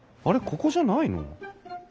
ここじゃないの？